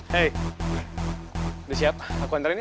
hei udah siap aku hantarin ya